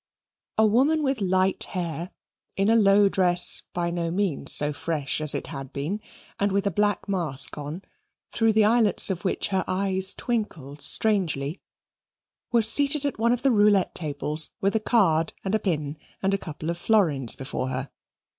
A woman with light hair, in a low dress by no means so fresh as it had been, and with a black mask on, through the eyelets of which her eyes twinkled strangely, was seated at one of the roulette tables with a card and a pin and a couple of florins before her.